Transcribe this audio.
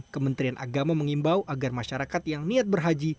kementerian agama mengimbau agar masyarakat yang niat berhaji